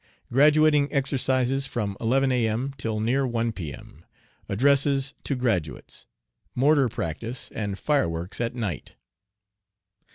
Graduating exercises from 11 A.M. till near 1 P.M. Addresses to graduates. Mortar practice and fireworks at night.